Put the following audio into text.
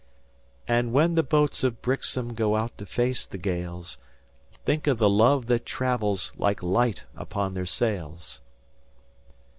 "And when the boats of Brixham Go out to face the gales, Think of the love that travels Like light upon their sails!"